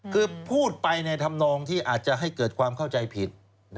คือพูดไปในธรรมนองที่อาจจะให้เกิดความเข้าใจผิด